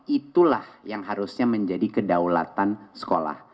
itulah yang harusnya menjadi kedaulatan sekolah